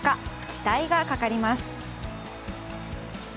期待がかかります。